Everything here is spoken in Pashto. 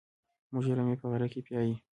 موږ رمې په غره کې پيايو.